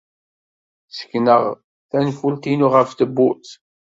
Ssekneɣ tanfult-inu ɣef tewwurt.